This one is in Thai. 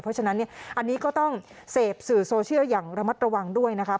เพราะฉะนั้นเนี่ยอันนี้ก็ต้องเสพสื่อโซเชียลอย่างระมัดระวังด้วยนะครับ